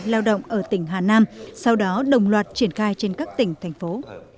lao động ở tỉnh hà nam sau đó đồng loạt triển khai trên các tỉnh thành phố